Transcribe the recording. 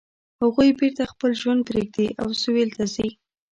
هغوی بیرته خپل ژوند پریږدي او سویل ته ځي